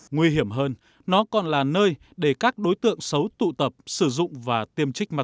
nguy hiểm hơn nó còn là nơi để các đối tượng sản xuất